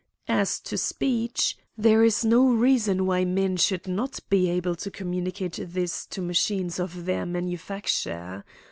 As to speech, there is no reason why men should not be able to communicate this to machines of their manufacture.